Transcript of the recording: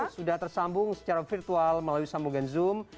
sudah tersambung secara virtual melalui sambungan zoom